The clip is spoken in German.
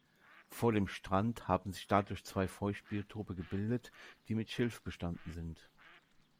Vor dem Strand haben sich dadurch zwei Feuchtbiotope gebildet, die mit Schilf bestanden sind.